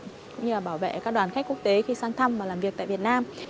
cũng như là bảo vệ các đoàn khách quốc tế khi sang thăm và làm việc tại việt nam